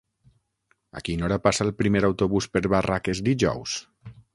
A quina hora passa el primer autobús per Barraques dijous?